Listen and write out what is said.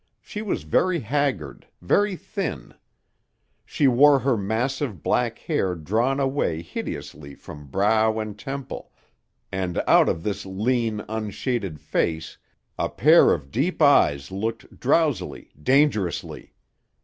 She was very haggard, very thin; she wore her massive, black hair drawn away hideously from brow and temple, and out of this lean, unshaded face a pair of deep eyes looked drowsily, dangerously.